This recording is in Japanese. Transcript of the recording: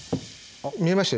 見えました？